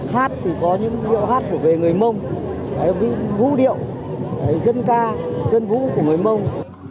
hát thì có những điệu hát về người mông vũ điệu dân ca dân vũ của người mông